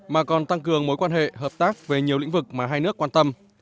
mà còn tăng cường mối quan hệ hợp tác về nhiều lĩnh vực mà hai nước quan tâm